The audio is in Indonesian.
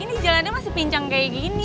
ini jalannya masih pincang kayak gini